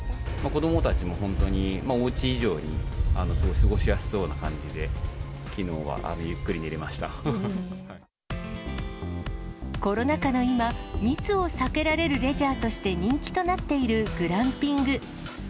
子どもたちも本当に、おうち以上にすごい過ごしやすそうな感じで、きのうはゆっくり寝コロナ禍の今、密を避けられるレジャーとして人気となっているグランピング。